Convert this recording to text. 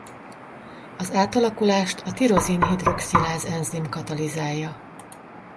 Az átalakulást a tirozin-hidroxiláz enzim katalizálja.